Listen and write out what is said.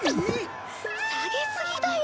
下げすぎだよ。